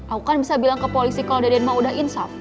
aku kan bisa bilang ke polisi kalau deden mau udah insaf